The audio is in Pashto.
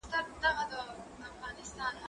زه کولای سم کتابتون ته ولاړ سم!؟